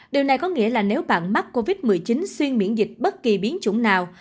điều này có nghĩa là nếu bạn mắc covid một mươi chín xuyên miễn dịch bất kỳ biến chủng nào